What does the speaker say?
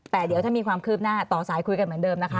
แต่เดี๋ยวถ้ามีความคืบหน้าต่อสายคุยกันเหมือนเดิมนะคะ